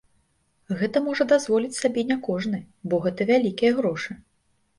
Гэта можа дазволіць сабе не кожны, бо гэта вялікія грошы.